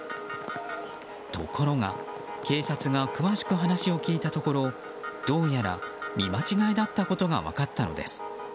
ところが警察が詳しく話を聞いたところどうやら見間違えだったことが分かったのです。